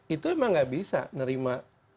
itu memang nggak bisa nerima